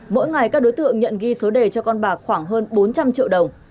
mỗi ngày các đối tượng nhận ghi số đề cho con bạc khoảng hơn bốn trăm linh triệu đồng